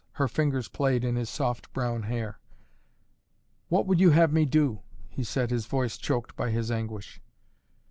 Her fingers played in his soft brown hair. "What would you have me do?" he said, his voice choked by his anguish.